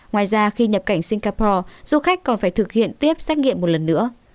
ngoài ra khi nhập cảnh singapore du khách còn phải thực hiện tiếp xét nghiệm một lần nữa